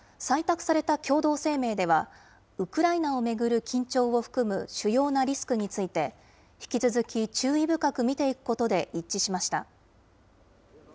採択された共同声明では、ウクライナを巡る緊張を含む主要なリスクについて、引き続き注意深く見ていくことで一致しました。